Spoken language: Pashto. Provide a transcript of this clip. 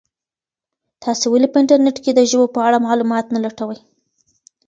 تاسي ولي په انټرنیټ کي د ژبو په اړه معلومات نه لټوئ؟